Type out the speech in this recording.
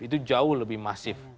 itu jauh lebih masif